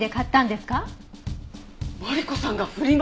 マリコさんがフリマ